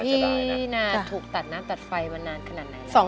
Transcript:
พี่นาถูกตัดน้ำตัดไฟมานานขนาดไหน